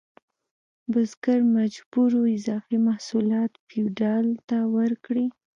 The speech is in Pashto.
بزګر مجبور و اضافي محصولات فیوډال ته ورکړي.